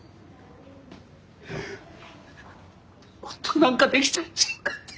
もっと何かできたんちゃうかって！